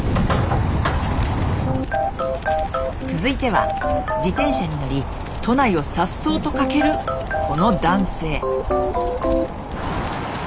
続いては自転車に乗り都内を颯爽と駆けるこの男性。